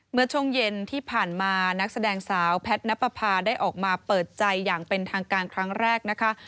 เมื่อช่วงเย็นที่ผ่านมานักแสดงสาวแพทย์นับประพาได้ออกมาเปิดใจอย่างเป็นทางการครั้งแรกนะคะ